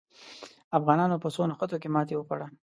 افغانانو په څو نښتو کې ماته وخوړه.